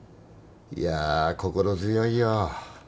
いやー心強いよ。